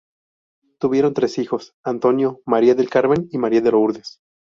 Tuvieron tres hijos: Antonio, María del Carmen y María de Lourdes.